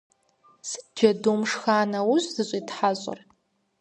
Сыт джэдум шха нэужь зыщӀитхьэщӀыр?